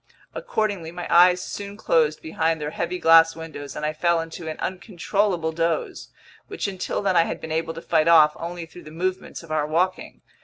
Accordingly, my eyes soon closed behind their heavy glass windows and I fell into an uncontrollable doze, which until then I had been able to fight off only through the movements of our walking.